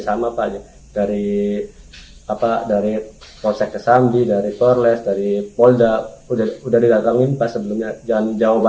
sama pak dari apa dari konsep kesambi dari polres dari polda udah udah dilatangin pas sebelumnya